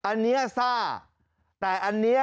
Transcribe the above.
อันเนี้ยซ่าแต่อันเนี้ยขนองขนองแค่ไหนเลยถึงทำได้ขนาดเนี้ย